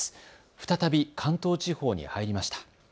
再び関東地方に入りました。